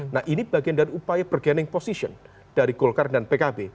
nah ini bagian dari upaya bergening position dari golkar dan pkb